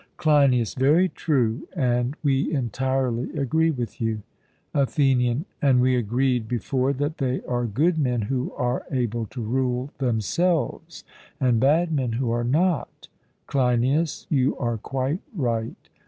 CLEINIAS: Very true; and we entirely agree with you. ATHENIAN: And we agreed before that they are good men who are able to rule themselves, and bad men who are not. CLEINIAS: You are quite right.